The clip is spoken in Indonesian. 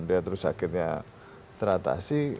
dia terus akhirnya teratasi